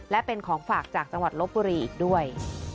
และเป็นของฝากจากจังหวัดลบบุรีอีกด้วย